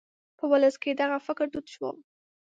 په ولس کې دغه فکر دود شو.